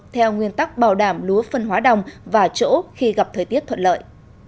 theo nguyên tắc bảo đảm lúa phân hóa đồng và chỗ khi gặp thời tiết thuận lợi